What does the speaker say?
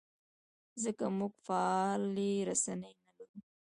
ځکه موږ فعالې رسنۍ نه لرو.